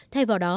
thay vào đó